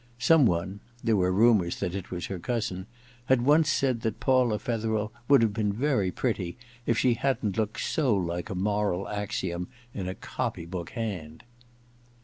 Some one (there were rumours that it was her cousin) had once said that Paula Fetherel would have been very pretty if she hadn't looked so like a moral axiom in a copy book hand.